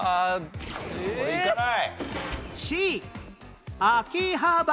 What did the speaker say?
これいかない。